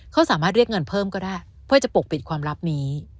เขาสามารถเรียกเงินเพิ่มก็ได้เพื่อจะปกปิดความลับนี้